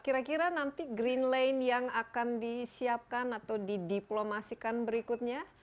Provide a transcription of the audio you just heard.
kira kira nanti green lane yang akan disiapkan atau didiplomasikan berikutnya